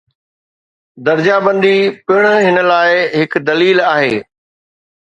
درجه بندي پڻ هن لاء هڪ دليل آهي.